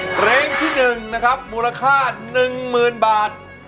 เพลงที่๑นะครับมูลค่า๑๐๐๐บาท